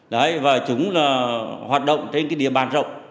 đấy và chúng là hoạt động trên cái địa bàn rộng